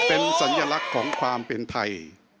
เป็นสัญลักษณ์ของความเป็นไทย